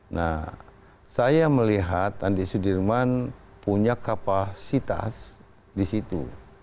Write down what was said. nah saya melihat andi sudirman punya kapasitas di situ